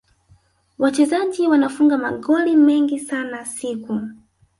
wachezaji wanafunga magoli mengi sana siku